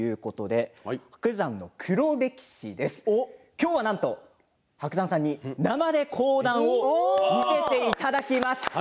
今日は伯山さんに生で講談を見せていただきます。